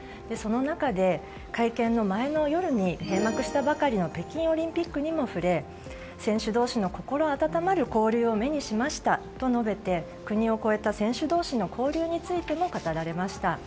その中で、会見の前の夜に閉幕したばかりの北京オリンピックにも触れ選手同士の心温まる交流を目にしましたと述べて国を越えた選手同士の交流についても語られました。